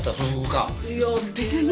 いや別に。